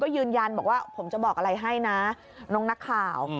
ยืนยันบอกว่าผมจะบอกอะไรให้นะน้องนักข่าว